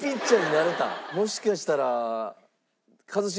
もしかしたら。